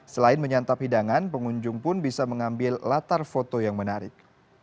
selain menyantap hidangan pengunjung pun bisa mengambil latar foto yang menarik